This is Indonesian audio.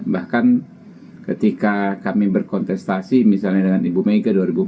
bahkan ketika kami berkontestasi misalnya dengan ibu mega dua ribu empat belas dua ribu sembilan belas ya dua ribu dua puluh empat juga